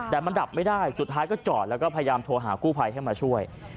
แต่มันดับไม่ได้สุดท้ายก็จอดแล้วก็พยายามโทรหากู้ภัยให้มาช่วย